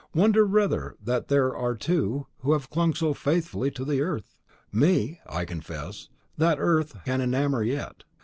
Wonder rather that there are two who have clung so faithfully to earth! Me, I confess, that earth can enamour yet.